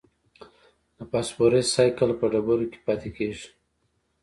د فوسفورس سائیکل په ډبرو کې پاتې کېږي.